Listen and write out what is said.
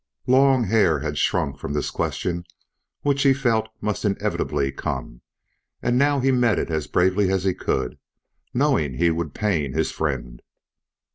Long had Hare shrunk from this question which he felt must inevitably come, and now he met it as bravely as he could, knowing he would pain his friend.